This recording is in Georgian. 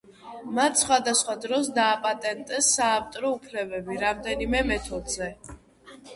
მათ სხვადასხვა დროს დააპატენტეს საავტორო უფლებები რამდენიმე მეთოდზე.